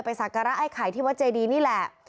สักการะไอ้ไข่ที่วัดเจดีนี่แหละ